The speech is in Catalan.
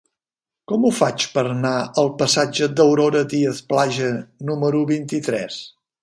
Com ho faig per anar al passatge d'Aurora Díaz Plaja número vint-i-tres?